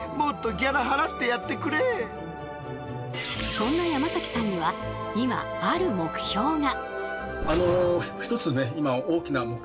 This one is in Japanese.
そんな山崎さんには今ある目標が。